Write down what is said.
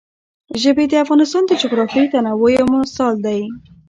ژبې د افغانستان د جغرافیوي تنوع یو مثال دی.